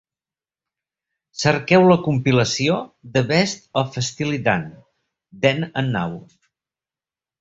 Cerqueu la compilació "The Best of Steely Dan: Then and Now".